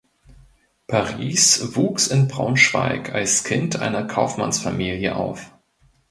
Paris wuchs in Braunschweig als Kind einer Kaufmannsfamilie auf.